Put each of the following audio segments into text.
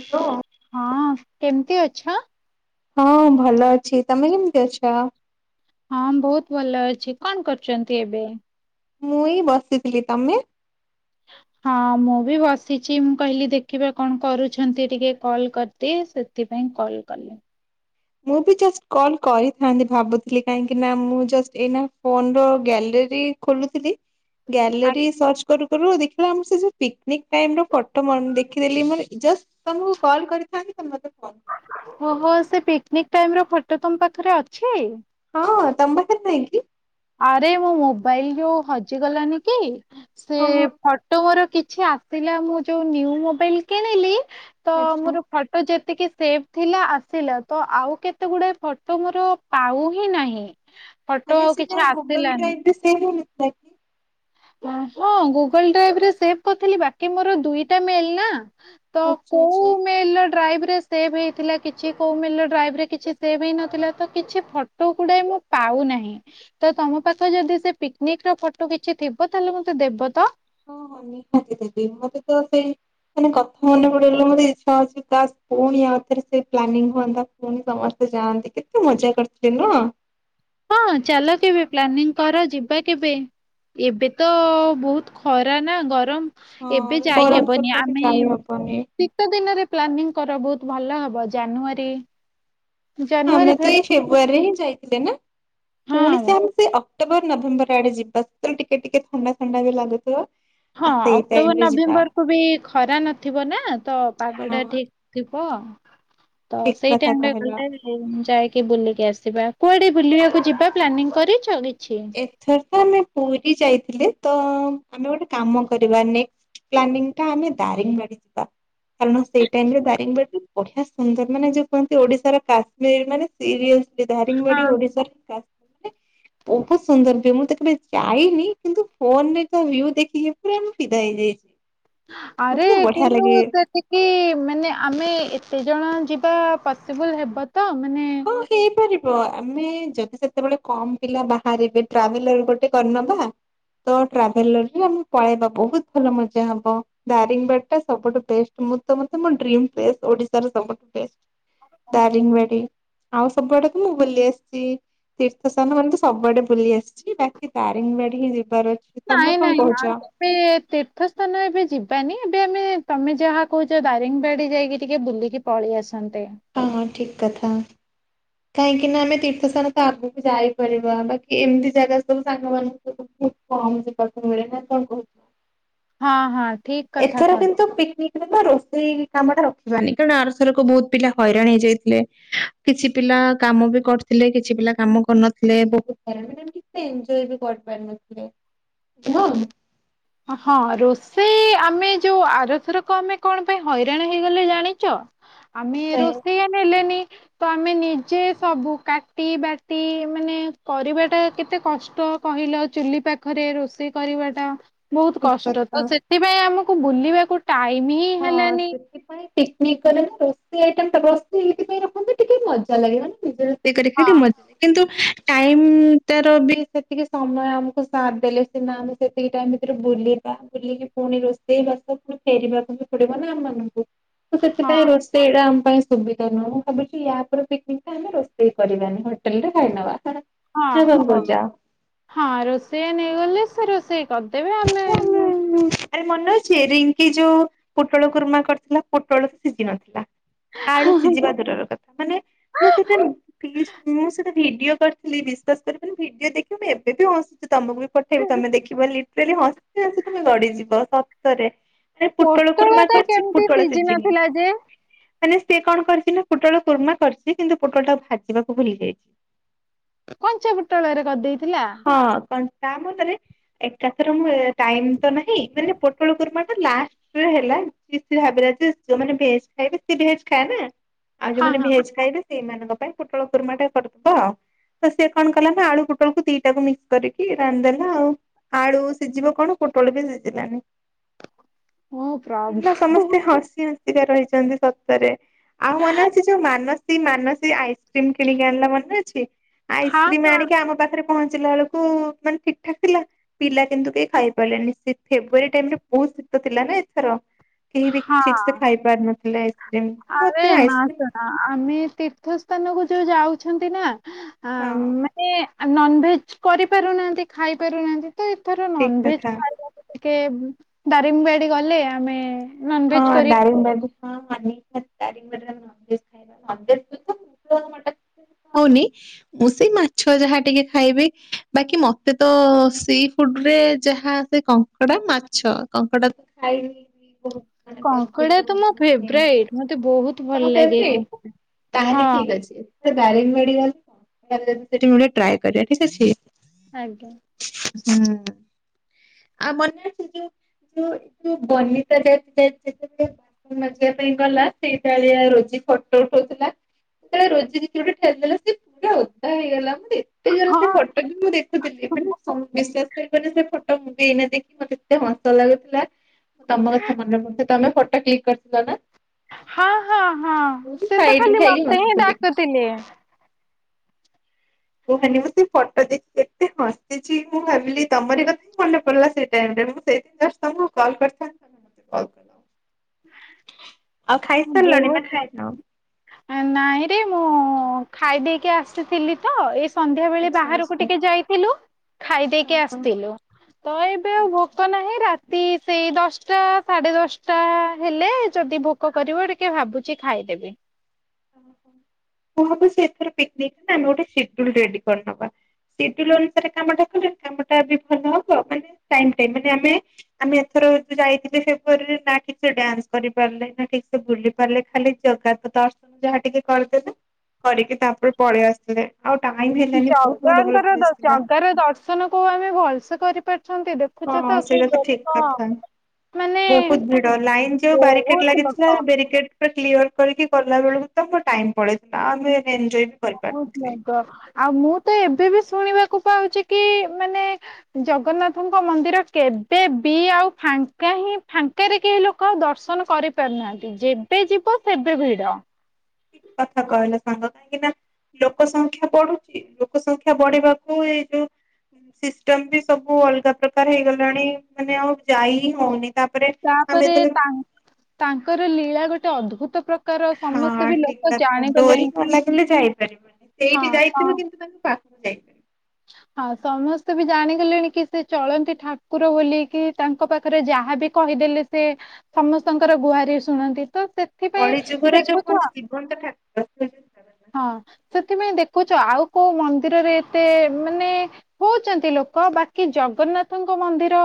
Hello ହଁ କେମିତି ଅଛି। ଛଅ ହଁ ଭଲ ଅଛି ତମେ କେମିତି ଅଛ। ହଁ ବହୁତ ଭଲ ଅଛି କଣ କରୁଛନ୍ତି ଏବେ? ମୁଁ ହଇଁ ବସିଥିଲି ତମେ? ହଁ ମୁଁ ବି ବସିଛି ମୁଁ କହିଲି ଦେଖିବା କଣ କରୁଛନ୍ତି ଟିକେ କଲ କରିଦି ସେଥିପାଇଁ କଲ କଲି। ମୁଁ ବି ଜଷ୍ଟ କଲ କରିଥାନ୍ତି ଭାବୁଥିଲି କାହିଁକି ନା ମୁଁ ଏଇ ଫୋନ ର ଗ୍ୟାଲେର ଖୋଲୁଥିଲି। ଗ୍ୟାଲେରୀ ସର୍ଚ୍ଚ କରୁ ପରୁ ଦେଖିଲା ଆମର ସେ ଯୋଉ ପିକନିକ୍ ଟାଇମ ର ଫଟୋ ଦେଖିଦେଲି ମୋର ଜଷ୍ଟ ତମକୁ କଲ୍ କରିଥାନ୍ତି ତତ ନିକ ଟାଇମ ର ଫଟୋ ତୁମ ପାଖରେ ଅଛି। ହଁ ତମ୍ୱ ପାଖରେ ନାହିଁକି? ଆରେ ମୋ ମୋବାଇଲ ଯୋଉ ହଜିଗଲଣିି କି। ସେ ଓହୋ ଫଟୋ ମୋର କିଛି ଆସିଲା ମୁଁ ଯୋଉ ନିଉ ମୋବାଇଲ କିଣିଲି। ତ ଆଚ୍ଛା ମୋର ଫଟୋ ଯେତ ଟକେ ସେଭ ଥିଲା ଆସିଲା ତ ଆଉ କେତେ ଗୁଡଏ ଫଟୋ ମୋର ପାଉ ହି ନାହିଁ। ଫଟୋ ତମେ ଆଉ କିଛି। ସେଟା ଗୁଗଲ ଆସିଲାନି। ଡ୍ରାଇଭ୍ ରେ ସେ [inaudible] ହଁ ଗୁଗଲ ଡ୍ରାଇଭରେ ସେଭ କରିଥିଲି ବାକି ମୋର ଦୁଇଟା ମେଲ ନା? ତ ଆଚ୍ଛା କୋଉ ଆଚ୍ଛା ମେ ଡ୍ରାଇଭ ହେଇଥିଲା କିୋ କି ସେ ହେଇ ନଥିଲା ତ କିଛି ଫଟୋ ଗୁଡା ମୁଁ ପାଉନାହିଁ ତ ତମ ପାଖ ଯଦି ପିକନିକ ର ଫଟୋ କିଛି ଥ! ଦେବ ତାହେଲେ ମ ତେ ଦେବ ତ ହଁ ନିହାତି ଦେବି ମତେ ତ ସେଇ ମାନେ କଥା ମନେ ପଡେଇ ମତେ ଇଚଛା ଅଛି ପୁଣି ଆଉଥରେ ସେ ପ୍ଲାନିଂ ହୁଅନ୍ତା ପୁଣି ସମସ୍ତେ ଯାଆନ୍ତି କେତେ ମଜା କରିଥିଲେ ନ? ହଁ ଚାଲ କେବେ ପ୍ଲାନିଂ କର ଯିବା କେବେ ଏବେ ତ ବହୁତ ଖରା ନା ଗରମ? ହଁ ଏବେ ଏ ଯାଇ ଗରମ ହେବନି ସକାଶେ ଆମେ ଯାଇ ହବନି ଶୀତ ଦିନରେ ପ୍ଲାନିଂ କର ବତ ଭଲ ହବ ଜାନୁଆରୀ ହଁ ଆମେ ଜାନୁଆରୀ ତ ଫେବୃ ଏଇ ଫେବୃଆୀରେ ହିଁ ଯାଇଥିଲ େ ନା [inaudible] ପୁଣି ହଁ ସେମ ସେ [unintelligible] ଅକ୍ଟୋବର ନଭେମ୍ବର ଆଡେ ଯିବା ସେତେବେ ଟିକେ ଟିକେ ଥଣ୍ଡା ଥଣ୍ଡା ବି ଲାଗୁଥିବ। ହଁ ଆ ସେଇ ଟାଇମ ଅକ୍ଟୋବର ରେ ଯିବା ନଭେମ୍ବର କୁ ବି ଖରା ନଥିବ ନା ତ ପାଗଟା ହଁ ଠିକ ଥିବ? ତ ଠିକ ସେଇ କଥା ଟାଇମରେ କହିଲ। ଗଲେ ଯାଇକି ବୁଲିକି ଆସିବା। କୁଆଡେ ବୁଲିବାକୁ ଯିବା ପ୍ଲାନିଂ କରିଚ। ଏଥର ତ ଆମେ ପୁରୀ ଯାଇଥିଲେ। ତ ଆମେ ଗୋଟେ କାମ କରିବା ନେକ୍ ପ୍ଲାନିଙ୍ଗ ଟା ଆମେ ଦାରିଙ୍ଗବାଡି ଯିବା କାରଣ ସେଇ ଟାଇମ ରେ ଦାରିଙ୍ଗବାଡି ବଢିଆ ସୁନ୍ଦର ମାନେ ଯୋଉ କୁହନ୍ତି ଓଡିଶାର କାଶ୍ମୀର ମାନେ ସିରି ହଁ ଦାରଙ୍ଗବାଡି ଓଡ଼ିଶାରୋ ବହୁତ ସୁନ୍ଦର ଭ ମୁଁ ତ କବେଳେ ଯାଇନି କିନ୍ତୁ ଫୋନରେ ତା ଭି ଦେଖିକି ପୁର ଫିଦା ହେଇଯାଇଛି? ମତେ ଆରେ ତ ବଢିଆ କିନ୍ତୁ ଲାଗେ। ସେଠିକି ମାନେ ଆମେ ଏତେ ଜଣ ଯିବା ପସିବୁଲ ହେବ ତ ମାନେ ହଁ ହେଇପାରିବ ଆମେ ଯଦି ସେତେବେଳେ କମ ପିଲା ବାହାରିବେ ଟ୍ରାଭେଲର ଗୋଟେ କରିନବା ତ ଟ୍ରାଭେଲରରେ ଆମେ ପଳେଇବା ବହୁତ ଭଲ ମଜା ହବ ଦାରିଙ୍ଗବାଡ ଟା ସବୁଠୁ ବେଷ୍ଟ ମୁଁ ତ ମେଡ ଓଡିଶାର ସବୁଠୁ? ଦାରିଙ୍ଗବାଡ଼ି। ଆଉ ସବୁଆଡେ ତ ମୁଁ ବୁଲି ଆସିଛି ତୀର୍ଥସ୍ଥାନ ମାନେ ତ ସବୁଆଡେ ବୁଲି ଆସିଛି ବାକି ଦାରିଙ୍ଗବାଡି ହିଁ ଯିବାର ଅଛି? ତମେ ନାଇଁ କଣ ନାଇଁ ଆ କହୁଛ? ଏବେ ତୀର୍ଥ ସ୍ଥାନ ଏବେ ଯିବାନି ଏବେ ଆମେ ତମେ ଯାହା କହୁଛ ଦାରିଙ୍ଗବାଡି ଯାଇକି ଟିକେ ବୁଲିକି ପଳେଇ ଆସନ୍ତେ। ହଁ ଠିକ କଥା କାହିଁକି ନା ଆମେ ତୀର୍ଥସ୍ଥାନ ତ ଆଗକୁ ଯାଇପାରିବା ବାକି ଏମିତି ଜାଗା ସବୁ ସାଙ୍ଗମାନାନଙ୍କୁ ସ ବହୁ କଛି ପସନ୍ଦ ନା କଣ କହୁଛ? ହଁ ହଁ। ଠିକ କଥା କହ ଏଥର କିନ୍ତୁ ପିକିକ ରୋଷେଇ କାମ ଟା ରଖିବାନି କାରଣ ଆର ସରକୁ ବହୁତ ପିଲା ହଇରାଣ ହେଇଯାଇଥିଲେ କିଛି ପିଲା କାମ ବି କରିଥିଲେ କିଛି ପିଲା କାମ କରିନଥିଲେ ବହୁତ ମାନ ଏଜ ବି କରିପାର ନଥିଲେ? ହଁ ରୋଷେଇ ଆମେ ଯୋଉ ଆରଥରକ ଆମେ କଣ ପାଇଁ ହଇରାଣ ହେଇଗଲେ ଜାଣିଛ ଆମେ ସେଥିପାଇଁ ରୋଷେଇଆ ନେଲେନି। ତ ଆମେ ନିଜେ ସବୁ କାଟି ବାଟି ମାନେ କରିବାଟା କେତେ କଷ୍ଟ କହିଲ ଚୁଲି ପାଖରେ ରୋଷେଇ କରିବାଟା? ବହୁତ ଠିକ କଷ୍ଟ କଥା ତ ସେଥିପାଇଁ ଆମକୁ ୁ ବୁଲିବାକୁ ଟାଇମ ହିଁ ହେଲାନି। ପିକନିକ୍ କଲେ ନା ରୋଷଇ ଟା ଏଇଥିପାଇଁ ରଖନ୍ତି ଟିକେ ମଜା ଲାଗେ ମାନ ହଁ ନିଜ [unintelligible] ଟାଇମ୍ ଟାର ବି ସେତିକି ସମୟ ଆମକୁ ସାଥ ଦେଲେ ସିନା ଆମେ ସେତିକି ଟାଇମ୍ ଭିତରେ ବୁଲିବା ବୁଲିକି ପୁଣି ରୋଷେଇବାସ ପୁଣି ଫେରିବାକୁ [unintelligible] ତ ହଁ ସେଥିପାଇଁ ରୋଷେଇ ଏଇଟା ଆମ ପାଇଁ ସୁବିଧା ନୁହଁ ଭାବୁଛି ୟା ଉପରେ ପିକ୍ନିକ୍ ଟା ହେଲେ ରୋଷେଇ କରିବାନି ହୋଟେଲରେ ଖାଇ ନବା। ହଁ ହଁ ହଁ ରୋଷେୟା ନେଇଗଲେ ସେ। [unintelligible] କରି ଦେବ ଆମେ ଆରେ ମନେ ଅଛି ରିଙ୍କି ଯୋଉ ପୋଟଳ କୁର୍ମା କରିଥିଲା ପୋଟଳ ତ ସିଝି ନଥିଲା। ଆଳୁ ସିଝିବା ଦୂରର କଥା ମାନେ ମୁଁ ସେଟା ମୁଁ ସେ ଭିଡିଓ କରିଥିଲି ବିଶ୍ୱାସ କରିବନି ଭିଡିଓ ଦେଖିକି ମୁଁ ଏବେ ବି ହସୁ ତମକୁ ବି ପଠେଇବି ତମେ ଦେଖିବ ଲି ବୋଲି ହସି ହସି ତମେ ଗଡିଯିବ ସତରେ। ପୋଟଳ କୁର୍ମା ଟା କରିଛି କେମିତି ପୋଟଳ ସିଜି ସିଝିନି ନଥିଲା ଯେ? ମାନେ ସେ କଣ କରିଛି ନା ପୋଟଳ କୁର୍ମା କରିଛି କିନ୍ତୁ ପୋଟଳଟା ଭାଜିବାକୁ ଭୁଲି ଯାଇଛି। କଞ୍ଚା ପୁଟଳରେ କରିଦେଇଥିଲା। ହଁ କଣ ତା ମତରେ ଏ ତାପରେ ଟାଇମ୍ ତ ନାହିଁ ମାନେ ପୋଟଳ କୁର୍ମାଟା ଲାଷ୍ଟ୍ ରେ ହେଲା କି ସେ ଭାବିଲା ଯେ ଝିଅମାନେ ଭେଜ୍ ଖାଇବେ ସେ ଭେଜ ଖାଏ ନା ଆଉ ଯୋଉ ହଁ ମାନେ ହଁ। ଭେଜ୍ ଖାଇବେ ସେଇମାନଙ୍କ ପାଇଁ ପୋଟଳ କୁର୍ମା ଟା କରିଦବା ଆଉ ତ ସେ କଣ କଲା ନା ଆଳୁ ପୋଟଳକୁୁ ଦିଟାକୁ ମିକ୍ସ କରିକି ରାନ୍ଧିଦେଲା ଆଉ। ଆଳୁ ସିଝିବ କଣ ପୋଟଳ ବି ସିଝିଲାନି। ଓ ପ୍ରଭୁ। ପିଲା ହଁ ସମସ୍ତେ ହସି ଟିକେ ରହିଛନ୍ତି ସତରେ। ଆଉ ମନେ ଅଛି ଯୋଉ ମାନ ସି ମାନସୀ ଆଇସ୍କ୍ରିମ୍ କିଣିକି ଆଣିଲା ମନେ ଅଛି। ଆଇସ୍କ୍ରିମ୍ ହଁ ଆଣିକି ଆମ ପାଖରେ ପହ ଞ୍ଚିଲା ବେଳକୁ ମାନେ ଠିକ୍ ଠାକ୍ ଥିଲା। ପିଲା କିନ୍ତୁ କେହି ଖାଇ ପାରିଲେନି ସେ ଫେବୃଆରୀ ଟାଇମ୍ ରେ ବହୁତ ଶୀତ ଥିଲା ନା ଏଥର କେହି ବି ହଁ। ଠିକ୍ ସେ ଖାଇପାରୁ ନଥିଲେ ଆଇସ୍କ୍ରିମ ଆରେ ମତେ ନା ଆଇସ୍କ୍ରିମ୍ ଶୁଣ ଆମେ ତୀର୍ଥ ସ୍ଥାନକୁ ଯୋଉ ଯାଉଛନ୍ତି ନା ଆ ହଁ ମାନେ ଆ ନନ ଭେଜ କରିପାରୁନାହାନ୍ତି ଖାଇ ପାରୁନାହାନ୍ତି। ତ ଏଥର ଠିକ୍ ନନଭେଜ କଥା। ଖାଇବାକୁ କେ ଦାରିଙ୍ଗିବାଡି ଗଲେ ଆମେ ହଁ ନନଭେଜ କରି ଦାରିଙ୍ଗବା ହଁ ଖାଉନି ମୁଁ ସେଇ ମାଛ ଯାହା ଟିକେ ଖାଇବି ବାକି ମତେ ତ ସି ଫୁଡରେ ଯାହା ସେ କଙ୍କଡା ମାଛ କଙ୍କଡା ତ ଖାଇବି। କଙ୍କଡା ତ ମୋ ଫେବରାଇଟ ମତେ ବହୁତ ତମ ଭଲ ଲାଗେ। ଫେବରାଇଟ କଙ୍କଡା ହଁ ତାହେଲେ [unintelligible] ଟ୍ରାଏ କରିବା ଠିକ ଅଛି। ଆଜ୍ଞା। [unintelligible] ହୁଁ ଆ ମନେ ଅଛି ଯୋଉ ଯୋଉ ଯୋଉ ବନିତା ଯାଇଥି ସେ ଯେତେବେଳେ ମଜିବା ପାଇଁ ଗଲା ସେଇଟାଳିଆ ରୋଜି ଫଟୋ ଉଠଉଥିଲା ସେତେବେଳେ ରୋଜିକି କିଏ ଗୋଟେ ଠେଲି ଦେଲା ସେ ପୁରା ଉଦା ହେଇଗଲା ମାନେ ଏତେ ଜୋର ସେ ହଁ ଫଟୋବି ମୁଁ ଦେଖୁଥିଲି ମାନେ ଶ ବିସ୍ୱାଶ ସେଇ ଫୋନ୍ରେ ସେଇ ଫଟୋ ମୁବି ଏଇନା ଦେଖି ମତେ ଏତେ ହସ ଲାଗୁଥିଲା ମୁଁ ତମ କଥା ମନେ ପଡ଼ୁ ତମେ ଫଟୋ କ୍ଲିକ କରିଥିଲ ନା। ହଁ ହଁ ହଁ ମୁଁ ସେତ ସାଇଟ୍ ଖାଲି ହେଇକି ମତେ ହିଁ ହସୁଥିଲି ଡାକୁଥିଲେ। କୁହନି ମୁଁ ସେ ଫଟୋ ଦେଖିକି ଏତେ ହସିଛି ମୁଁ ଭାବିଲି ତମର କଥା ହିଁ ମନେ ପଡିଲା ସେ ଟାଇମ୍ ରେ ମୁଁ ସେଇଥିପାଇଁ ଜଷ୍ଟ ତମକୁ କଲ କରିଥାନ୍ତି ତମେ ମତେ କଲ୍ କରିଲ। ଆଉ ଖାଇସାରିଲଣି ନା ବହୁତ ଖାଇନ? ନାଇଁରେ ମୁଁ ଖାଇଦେଇକି ଆସିଥିଲି ତ ଏଇସୁ ସନ୍ଧ୍ୟା ବେଳେ ଆଚ୍ଛା ବାହାରକୁ ଆଚ୍ଛା। ଟିକେ ଯାଇଥିଲୁ ହଁ ଖାଇଦେଇକି ହଁ। ଆସିଥିଲୁ ତ ଏବେ ଆଉ ଭୋକ ନାହିଁ ରାତି ସେ ସେଇ ଦଶଟା ସାଢ଼େ ଦଶଟା ହେଲେ ଯଦି ଭୋକ କରିବ, ଟିକେ ଭାବୁଚି ଖାଇଦେବି। ଓହୋ ମୁଁ ଭାବୁଛି ସେଥିରେ ପିକିନିକ୍ ଆମେ ଗୋଟେ ସେଡୁଲ ରେଡି କରିନବା ସେଡୁଲ ଅନୁସାରେ କାମଟା କଲେ କାମଟା ବି ଭଲ ହବ ମାନେ ଟାଇମ୍ ଟାଇମ୍ ଆମେ ଆମେ ଏଥର ଯାଇଥିଲେ ଫେବୃଆରୀ ନା ଠିକ୍ ସେ ଡ୍ୟାନ୍ସ କରିପାରିଲେ ନା ଠିକ୍ ସେ ବୁଲି ପାରିଲେ ଖାଲି ଜଗାକୁ ଦର୍ଶନ ଯାହା ଟିକେ କରିଦେଲେ, କରିକି ତାପରେ ପଳେଇ ଆସିଥିଲେ ଆଉ ଟାଇମ ହେଲାନି ବହୁତ ଭଲ ଭଲ ଜଗାଙ୍କର ପ୍ଲେସ ଦ ଥିଲା। ଜଗା ର ଦର୍ଶନ କୋଉ ଆମେ ଭଲସେ କରିପାରି ହଁ ସେଇଟା ତ ଠିକ୍ କଥା ମାନେ ବହୁତ ଭିଡ଼ ଲାଇନ ଯୋଉ ବାରିକେଟ୍ ବହୁତ ଲାଗିଥିଲା ଲୋକ। ବେରିକେଟ୍ ପୁରା କ୍ଲିୟର କରିକି ଗଲା ବେଳକୁ ତ ମୋର ଟାଇମ ପଳେଇଥିଲା ଆମେ ଏନଜୟ ବି କରିପାରିନଥିଲେ। ବହୁତ ଗରମ ଆଉ ମୁଁ ତ ଏବେ ବି ଶୁଣିବାକୁ କୁ ପାଉଛି କି ମାନେ ଜଗନ୍ନାଥଙ୍କ ମନ୍ଦିର କେବେ ବି ଆଉ ଫାଙ୍କା ହିଁ ଫାଙ୍କାରେ କେହି ଲୋକ ଆଉ ଦର୍ଶନ କରିପାରୁନାହାନ୍ତି ଯେବେ ଯିବ ସେବେ ଭିଡ। ଠିକ୍ କଥା କହିଲ। ସାଙ୍ଗ କାହିଁକି ନା ଲୋକ ସଂଖ୍ୟା ବଢୁଛି ଲୋକ ସଂଖ୍ୟା ବଢିବାକୁ ଏଇ ଯୋଉ ସିଷ୍ଟମ ବି ସବୁ ଅଲଗା ପ୍ରକାର ହେଇଗଲାଣି ମାନେ ଆଉ ଯାଇ ହିଁ ହଉନି। ତାପରେ ଆମେ ତାପରେ ଯେତେବେଳେ ତାଙ୍କ ତାଙ୍କର ଲୀଳା ଗୋଟେ ଅଦ୍ଭୁ ହଁ ଠିକ୍ କଥା ଡୋରି ଜାଣିଗଲେଣି କି ନଲାଗିଲେ ଯାଇପାରିବନି ହଁ ସେଇଠି ତ ଯାଇଥିବ କିନ୍ତୁ ତାଙ୍କ ପାଖ [inaudible] ହଁ ସମସ୍ତେ ବି ଜାଣିଗଲେଣି କି ସେ ଚଳନ୍ତି ଠାକୁର ବୋଲି କି ତାଙ୍କ ପାଖରେ ଯାହାବି କହିଦେଲେ ସେ ସମସ୍ତଙ୍କର ଗୁହାରି ଶୁଣନ୍ତି। ତ ସେଥିପାଇଁ କଳି ଯୁଗରେ ଯୋଉ ଦେଖୁଛ କହନ୍ତି ଜୀବନ୍ତ ଠାକୁର ସେଇଥିପାଇଁ ଦେଖୁଛ ଆଉ କୋଉ ମନ୍ଦିରରେ ଏତେ ମାନେ ହଉଛନ୍ତି ଲୋକ ବାକି ଜଗନ୍ନାଥଙ୍କ ମନ୍ଦିର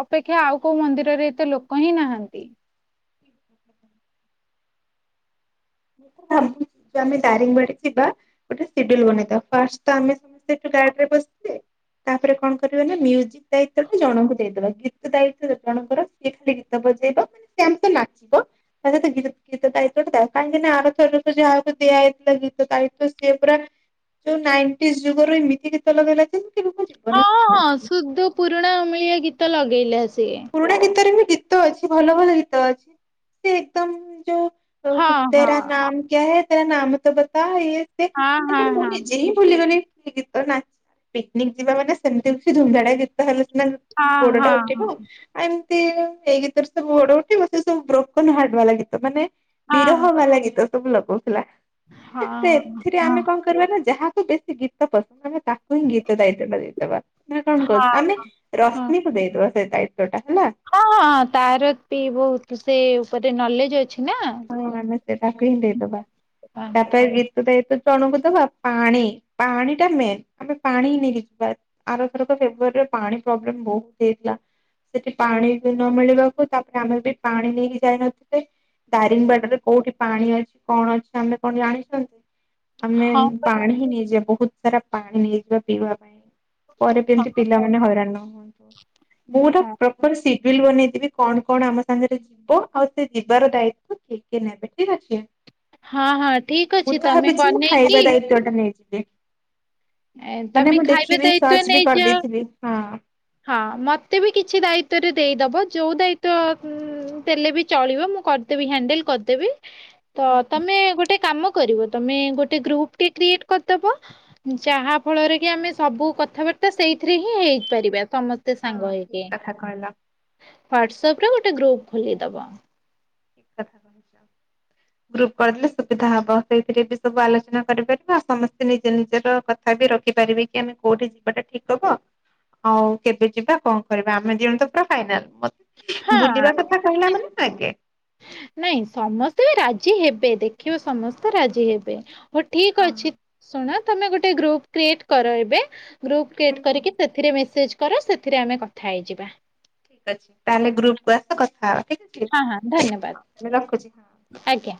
ଅପେକ୍ଷା ଆଉ କୋଉ ମନ୍ଦିରରେ ଏତେ ଲୋକ ହିଁ ନାହାନ୍ତି। [inaudible] ମୁଁ ଏଥର ଭାବୁଚି ଆମେ ଦାରିଙ୍ଗବାଡି ଯିବା ଗୋଟେ ସିଡିଲ୍ ବନେଇଦବା ଫାଷ୍ଟେ ତ ଆମେ ସମସ୍ତେ ସେଠୁ ଗାଡ଼ିରେ ବସିବେ ତାପରେ କଣ କରିବାନା ମିୟୁଜିକ୍ ଦାୟିତ୍ୱ ଟା ଜଣଙ୍କୁ ଦେଇଦେବା। ଗୀତ ଦାୟିତ୍ୱ ଜଣଙ୍କର ସିଏ ଖାଲି ଗୀତ ବଜେଇବ ମାନେ ସେ ଆମ ସ ନାଚିବ ତା ସହିତ ଗୀ ଗୀତ ଦାୟିତ୍ଵ ଟା ତା କାହିଁକି ନା ଆରଥରକୁ ଯାହାକୁ ଦିଆ ହୋଇଥିଲା ଗୀତ ଦାୟିତ୍ୱ ସିଏ ପୁରା ଯୋଉ ନାଇଣ୍ଟି ଯୁଗରୁ ଏମିତି ଗୀତ ଲଗେଇଲା ଯେ କେବେ ମୋ ଜୀବନରେ ହଁ ହଁ ଶୁଣିନଥିଲି। ଶୁଦ୍ଧ ପୁରୁଣା ମିଳି ଗୀତ ଲଗେଇଲେ ସିଏ। ପୁରୁଣା ଗୀତରେ ବି ଗୀତ ଅଛି ଭଲ ଭଲ ଗୀତ ଅଛି। ସେ ଏକଦମ ଯୋଉ। ଓ ହଁ ହଁ ତେରା ନାମ କ୍ୟା ହେ। ତେରା ନାମ ତୋ ବତା ୟେ। ସିଏ ହଁ ମାନେ ମୁଁ ହଁ ନିଜେ ହିଁ ଭୁଲିଗଲି। ଗୀତ ନାଚ ପିକନିକ ଯିବା ମାନେ ସେମିତି କିଛି ଧୁମ ଧାମ୍ ଗୀତ ହେଲେ ହଁ ଗୋଡଟା ହଁ ଉଠିବ ଆଉ। ଏମିତି ଏଇ ଗୀତରେ ସବୁ ଗୋଡ ଉଠିବ ସେ ସବୁ ବ୍ରୋକନ ହାର୍ଟ ବାଲା ଗୀତ ମାନେ ବିରହ ହଁ ବାଲା ଗୀତ। ସବୁ ଲଗଉ। ହେଲା ହଁ ତ ହଁ ଏଥିରେ ହଁ ଆମେ କଣ କରିବା ନା ଯାହା ବେଶୀ ଗୀତ ପସନ୍ଦ ଆମେ ତାକୁ ହିଁ ଗୀତ ଦାୟିତ୍ୱ ଟା ଦେଇଦବା। ନା କଣ କହୁଛୁ ହଁ ଆମେ ରଶ୍ମିକୁ ଦେଇଦବା। ସେ ଗା ହଁ ହଁ ହଁ ତାର ପି ବହୁତ ସେ ନଲେଜ ଅଛ ହଁ ଆମେ ସେଟାକୁ ହିଁ ଦେଇଦବା ତାପରେ ଗୀତ ଦେଇ ଜଣକୁ ଦବା ପାଣି ପାଣି ଟା ମେନ୍ ଆମେ ପାଣି ନେଇକି ଯିବା ଆରଥରକ ଫେବୃଆରୀରେ ପାଣି ପ୍ରୋବ୍ଲେମ ବହୁତ ହେଇଥିଲା। ସେଠି ପାଣି ବି ନ ମିଳିବାକୁ ତାପରେ ଆମେ ବି ପାଣି ନେଇକି ଯାଇନଥିଲେ। ଦାରିଙ୍ଗବାଡି ରେ କୋଉଠି ପାଣି ଅଛି କଣ ଅଛି ଆମେ କଣ ଜାଣିଛନ୍ତି। ଆମେ ହଁ ପା ପାଣି ହି ନେଇଯିବା ବହୁତ। ସାରା ପାଣି ନେଇଯିବା ପିଇବା ପାଇଁ। ପରେ ହଁ। ଯେମ୍ତି ପିଲାମାନୋନ ହଇରାଣ ନ ହୁଅନ୍ତୁ। ମୋର ପ୍ରପର ସି ବିଲ୍ ବନେଇଥିବି କଣ କଣ ଆମ ସାଙ୍ଗରେ ଯିବ ଆଉ ସେ ଯିବାର ଦାୟି ଠିକ କି ନାଇଁ ଏବେ ଠିକ୍ ଅଛି। ହଁ ହଁ ଠିକ ଅଛି ତମେ ବନେଇକି ଦି ଏ ମାନେ ତମେ ମୁଁ ଖାଇବା ଦେଖିବି ଦାୟିତ୍ଵ ସର୍ଚ୍ଚ ବି ନେଇଯାଅ। କରିଦେଇଥିବି ହଁ। ହଁ ମୋତେ ବି କିଛି ଦାୟିତ୍ୱରେ ଦେଇଦେବ ଯେଉଁ ଦାୟିତ୍ୱ ଦେଲେ ବି ଚଳିବ ମୁଁ କରିଦେବି ହ୍ୟାଣ୍ଡେଲ କରିଦେବି। ତ ହଁ ହଁ ତମେ ଗୋଟେ କାମ କରିବ ତମେ ଗୋଟେ ଗ୍ରୁପ ଟି କ୍ରିଏଟ କରିଦବ ଯାହା ଫଳରେ କି ଆମେ ସବୁ କଥାବାର୍ତ୍ତା ସେଇଥିରେ ହିଁ ହେଇପାରିବା। ସମସ୍ତେ ସାଙ୍ଗ ଠିକ ହେଇକି କଥା କହିଲ [inaudible] ୱାଟସ୍ ତା ପରେ ଗୋଟେ ଗ୍ରୁପ ଖୋଲିଦବ। ଠିକ କଥା କହିଛ ଗ୍ରୁପ କରିଦେଲେ ସୁବିଧା ହବ ସେଇଥିରେ ବି ସବୁ ଆଲୋଚନା କରିପାରିବ ଆଉ ସମସ୍ତେ ନିଜ ନିଜର କଥା ବି ରଖିପାରିବେ କି ଆମେ କୋଉଠି ଯିବାଟା ଠିକ ହବ ଆଉ କେବେ ଯିବା କଣ କରିବା ଆମେ ଦୁଇ ଜଣୁ ତ ପୁରା ଫାଇନାଲ। ହଁ ବୁଲିବା ଆମେ କଥା ତ କହିଲା ମାନେ ଆଗେ। ନାଇଁ ସମସ୍ତେ ବି ରାଜି ହେବେ ଦେଖିବ ସମସ୍ତେ ରାଜି ହେବେ। ହଉ ଠିକ୍ ହଁ ଅଛି ହଁ ଶୁଣ ତମେ ଗୋଟେ ଗ୍ରୁପ କ୍ରିଏଟ୍ କର ଏବେ ଗ୍ରୁପ କ୍ରିଏଟ୍ କରିକି ସେଥିରେ ମେସେଜ କର ସେଥିରେ ଆମେ କଥା ହେଇଯିବା। ଠିକ ଅଛି ତାହେଲେ ଗ୍ରୁପ୍ କୁ ଆସ କଥା ହବା। ଠିକ ଅଛି। ହଁ ହଁ ଧନ୍ୟବାଦ ତାହେଲେ ରଖୁଛି ହଁ। ଆଜ୍ଞା।